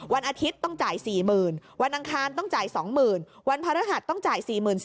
วันอาทิตย์ต้องจ่าย๔๐๐๐วันอังคารต้องจ่าย๒๐๐๐วันพระรหัสต้องจ่าย๔๔๐๐